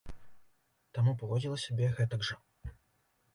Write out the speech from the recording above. Таму паводзіла сябе гэтак жа.